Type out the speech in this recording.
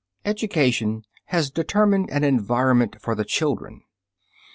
Education has determined an environment for the children.